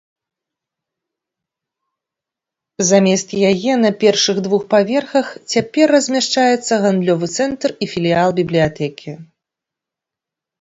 Замест яе на першых двух паверхах цяпер размяшчаецца гандлёвы цэнтр і філіял бібліятэкі.